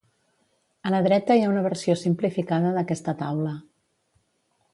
A la dreta hi ha una versió simplificada d'aquesta taula.